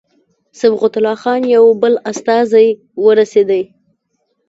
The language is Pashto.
صبغت الله خان یو بل استازی ورسېدی.